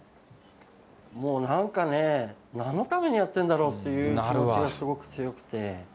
もうなんかね、なんのためにやってんだろうという気持ちがすごく強くて。